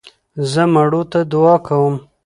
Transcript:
زه مړو ته دؤعا کوم.